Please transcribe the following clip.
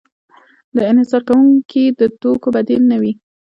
د انحصار کوونکي د توکې بدیل نه وي.